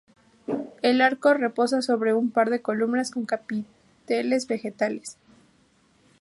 El arco reposa sobre un par de columnas con capiteles vegetales.